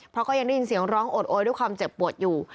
เพราะก็ยังได้ยินเสียงร้องโอดโอยด้วยความเจ็บปวดอยู่